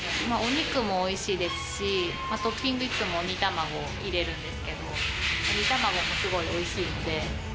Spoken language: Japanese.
お肉もおいしいですし、あとトッピングもいつも煮卵入れるんですけど、煮卵もすごいおいしいんで。